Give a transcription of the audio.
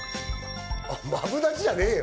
マブダチじゃねえよ。